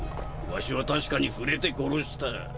わしは確かに触れて殺した。